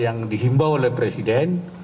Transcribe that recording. yang dihimbau oleh presiden